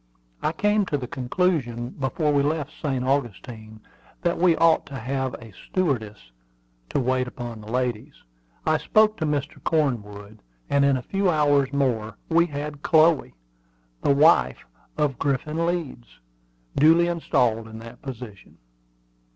I came to the conclusion, before we left St. Augustine, that we ought to have a stewardess to wait upon the ladies. I spoke to Mr. Cornwood, and in a few hours more we had Chloe, the wife of Griffin Leeds, duly installed in that position.